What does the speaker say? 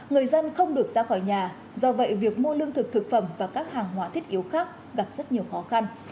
người dân không được ra khỏi nhà do vậy việc mua lương thực thực phẩm và các hàng hóa thiết yếu khác gặp rất nhiều khó khăn